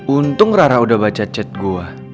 untung rara udah baca chat gue